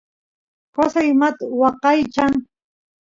qosay imat waqaychan